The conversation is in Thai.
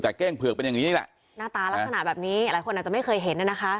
แต่เก้งเผือกเป็นอย่างนี้แหละหน้าตาลักษณะแบบนี้หลายคนอาจจะไม่เคยเห็นน่ะนะคะ